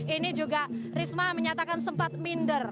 ini juga risma menyatakan sempat minder